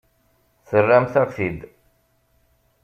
Terramt-aɣ-t-id.